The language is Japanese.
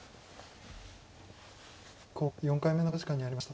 黄九段４回目の考慮時間に入りました。